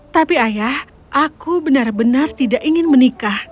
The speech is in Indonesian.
tapi ayah aku benar benar tidak ingin menikah